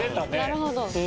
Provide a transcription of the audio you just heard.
なるほど。